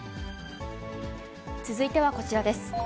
続いてはこちらです。